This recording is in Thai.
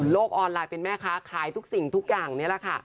ออนไลน์เป็นแม่ค้าขายทุกสิ่งทุกอย่างนี่แหละค่ะ